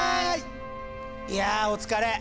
いやお疲れ。